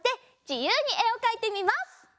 じゆうにえをかいてみます！